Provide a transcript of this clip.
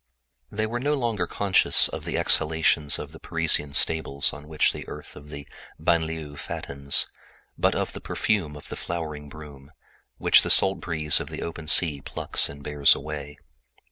No longer conscious of the exhalations of the Parisian stables, on which the earth of the banlieue fattens, they scented the perfume of the flowering broom, which the salt breeze of the open sea plucks and bears away.